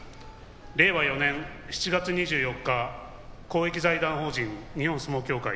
令和４年７月２４日公益財団法人日本相撲協会